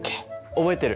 覚えてる。